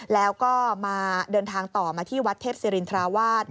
แล้วก็มาเดินทางต่อมาที่วัดเทพศิรินทราวาส